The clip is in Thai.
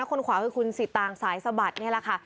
คนขวาคือคุณสิตางสายสะบัดนี่แหละค่ะ